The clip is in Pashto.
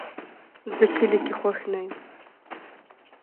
زه کلي کې خوښ نه یم